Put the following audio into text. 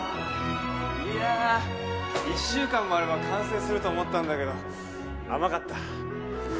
いや１週間もあれば完成すると思ったんだけど甘かった。